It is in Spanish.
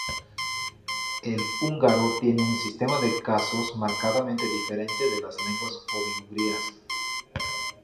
El húngaro tiene un sistema de casos marcadamente diferente de las lenguas obi-ugrias.